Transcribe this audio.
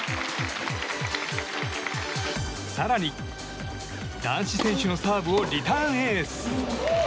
更に、男子選手のサーブをリターンエース！